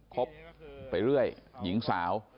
คบไปเรื่อยหญิงสาว